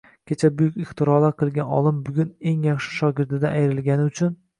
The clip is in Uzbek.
Kecha buyuk ixtirolar qilgan olim, bugun eng yaxshi shogirdidan ayrilgani uchun